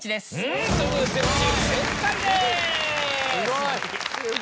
すごいな。